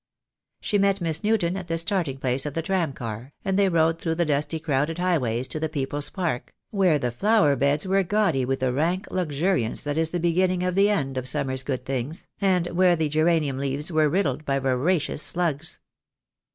She met Miss Newton at the starting place of the tram car, and they rode through the dusty crowded highways to the People's Park, where the flower beds were gaudy with the rank luxuriance that is the beginning of the end of summer's good things, and where the geranium leaves were riddled by voracious slugs.